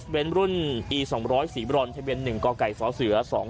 เบนรุ่นอีสองร้อยสี่บรรณทะเบียนหนึ่งกไก่สาวเสือสอง